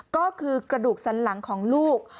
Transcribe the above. ก็คือกระดูกสันหลังของลูก